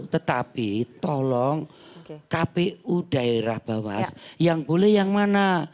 tetapi tolong kpu daerah bawas yang boleh yang mana